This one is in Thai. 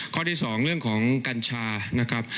ข้อที่๒เรื่องของกัญชานะครับ